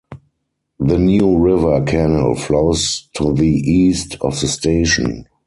The New River canal flows to the east of the station.